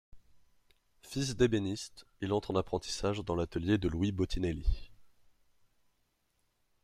Fils d'ébéniste, il entre en apprentissage dans l'atelier de Louis Botinelly.